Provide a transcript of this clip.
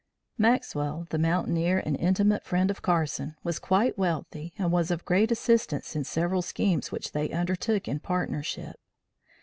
Maxwell, the mountaineer and intimate friend of Carson, was quite wealthy and was of great assistance in several schemes which they undertook in partnership.